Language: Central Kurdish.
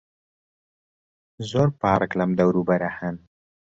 زۆر پارک لەم دەوروبەرە هەن.